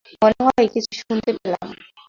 মনে হয় কিছু শুনতে পেলাম।